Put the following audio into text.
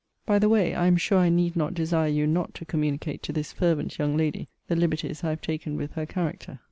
By the way, I am sure I need not desire you not to communicate to this fervent young lady the liberties I have taken with her character.